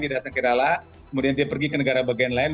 dia datang ke rala kemudian dia pergi ke negara bagian lain